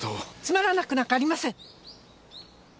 つまらなくなんかありません！